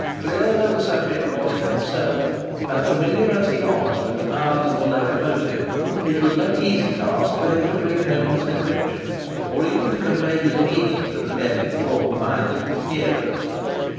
Clear though the subject was to himself, and familiar as he was with the powers of the locomotive, it was no easy task for him to bring home his convictions, or even to convey his meaning, to the less informed minds of his hearers.